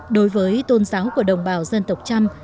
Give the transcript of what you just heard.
đối với tôn giáo của đồng bào dân tộc trăm